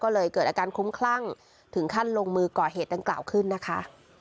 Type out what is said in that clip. ก็เลยเกิดอาการคลุ้มคลั่งถึงขั้นลงมือก่อเหตุดังกล่าวขึ้นนะคะ